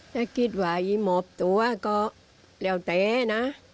ถ้าคิดว่าหมอบตัวก็แล้วแต่นะ